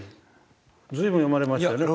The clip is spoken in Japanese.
随分読まれましたよね